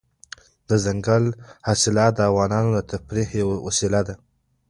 دځنګل حاصلات د افغانانو د تفریح یوه وسیله ده.